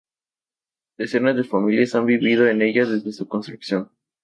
Decenas de familias han vivido en ella desde su construcción.